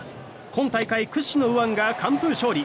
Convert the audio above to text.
今大会屈指の右腕が完封勝利。